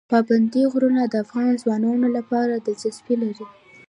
پابندی غرونه د افغان ځوانانو لپاره دلچسپي لري.